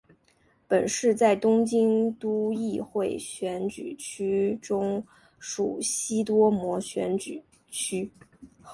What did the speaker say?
本市在东京都议会选举区中属西多摩选举区。